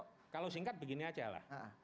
karena kalau singkat begini aja lah